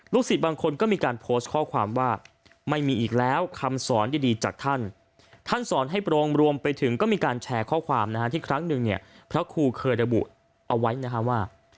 ศิษย์บางคนก็มีการโพสต์ข้อความว่าไม่มีอีกแล้วคำสอนดีจากท่านท่านสอนให้โปรงรวมไปถึงก็มีการแชร์ข้อความนะฮะที่ครั้งหนึ่งเนี่ยพระครูเคยระบุเอาไว้นะฮะว่า